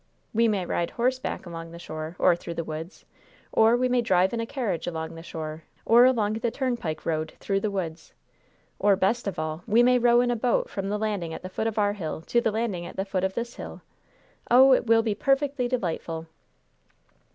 We may ride horseback along the shore or through the woods, or we may drive in a carriage along the shore or along the turnpike road through the woods; or, best of all, we may row in a boat from the landing at the foot of our hill to the landing at the foot of this hill. Oh, it will be perfectly delightful!"